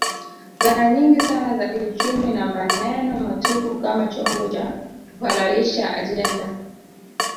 Dhana nyingi sana za kiuchumi na maneno matupu kama chombo cha kuhalalisha ajenda